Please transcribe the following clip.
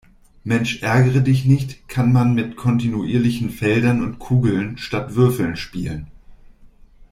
Mensch-ärgere-dich-nicht kann man mit kontinuierlichen Feldern und Kugeln statt Würfeln spielen.